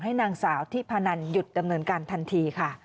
ให้นางสาวที่พานันยดดำเนินการทันที